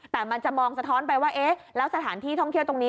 แต่มันจะมองสะท้อนไปว่าเอ๊ะแล้วสถานที่ท่องเที่ยวตรงนี้